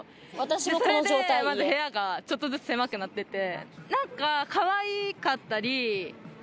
それでまた部屋がちょっとずつ狭くなってて。